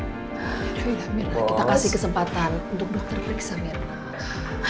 tapi mirna kita kasih kesempatan untuk dokter periksa mirna